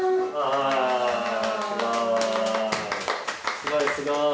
すごいすごい！